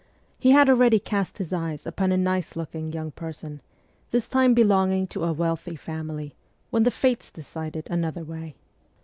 He had already cast his eyes upon a nice looking young person, this time belonging to a wealthy family, when the fates decided another way.